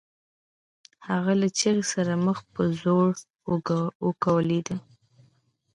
هغه له چيغې سره مخ په ځوړ وکوليد.